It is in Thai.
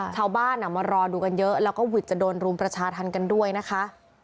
ชาวบ้านมารอดูกันเยอะแล้วก็วิทย์จะโดนรุมประชาธรรมกันด้วยนะคะ